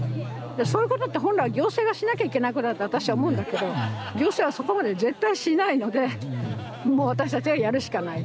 そういうことって本来は行政がしなきゃいけないことだって私は思うんだけど行政はそこまで絶対しないのでもう私たちがやるしかない。